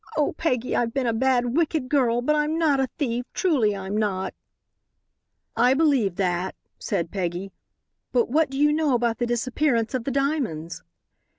"Oh, Peggy, I've been a bad, wicked girl, but I'm not a thief. Truly I'm not." "I believe that," said Peggy, "but what do you know about the disappearance of the diamonds?"